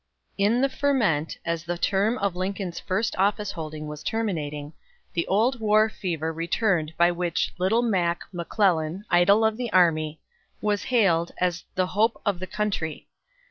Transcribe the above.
In the ferment, as the term of Lincoln's first office holding was terminating, the old war fever returned by which "Little Mac (McClellan), Idol of the Army" was hailed as "the hope of the country."